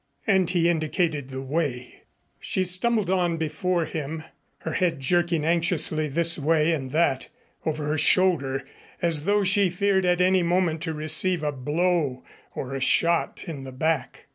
And he indicated the way. She stumbled on before him, her head jerking anxiously this way and that over her shoulder as though she feared at any moment to receive a blow or a shot in the back.